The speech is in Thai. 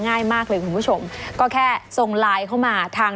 ง่ายมากเลยคุณผู้ชมก็แค่ส่งไลน์เข้ามาทาง